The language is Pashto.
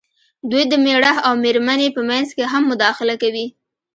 دوی د مېړۀ او مېرمنې په منځ کې هم مداخله کوي.